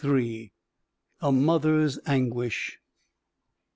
A MOTHER'S ANGUISH.